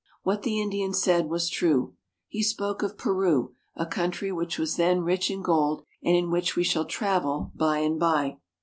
What the Indian said was true. He spoke of Peru, a country which was then rich in gold, and in which we shall travel by and by.